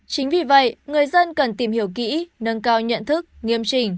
chính vì vậy người dân cần tìm hiểu kỹ nâng cao nhận thức nghiêm trình